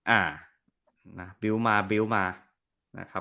อ่าวิวมาวิวมา